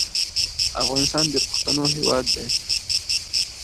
افغانستان د پښتنو هېواد دی.